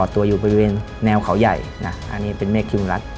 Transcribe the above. ตัวอยู่บริเวณแนวเขาใหญ่นะอันนี้เป็นแม่คิมรัฐ